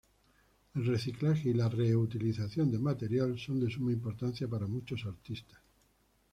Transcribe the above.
El reciclaje y la reutilización de material son de suma importancia para muchos artistas.